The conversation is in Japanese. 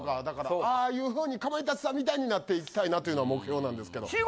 だからああいうふうにかまいたちさんみたいになっていきたいなというのは目標なんですけど。